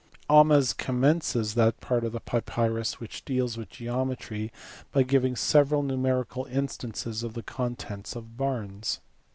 Ahmes commences that part of the papyrus which deals with geometry by giving several numerical instances of the contents of barns.